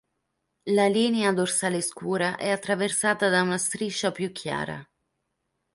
La linea dorsale scura è attraversata da una striscia più chiara.